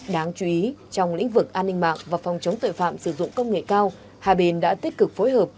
đáng chú ý trong lĩnh vực an ninh mạng và phòng chống tội phạm sử dụng công nghệ cao hai bên đã tích cực phối hợp